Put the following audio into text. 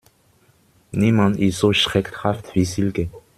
Niemand ist so schreckhaft wie Silke.